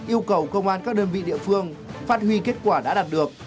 yêu cầu công an các đơn vị địa phương phát huy kết quả đã đạt được